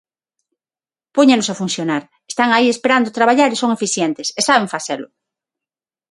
Póñanos a funcionar, están aí esperando traballar e son eficientes, e saben facelo.